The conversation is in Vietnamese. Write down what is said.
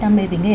đam mê về nghề